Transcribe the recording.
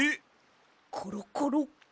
コロコロ。